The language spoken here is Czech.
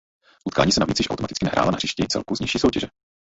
Utkání se navíc již automaticky nehrála na hřišti celku z nižší soutěže.